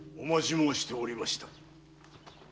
もうしておりました。